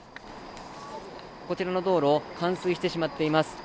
こちらの道路冠水してしまっています。